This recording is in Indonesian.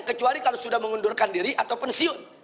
kecuali kalau sudah mengundurkan diri atau pensiun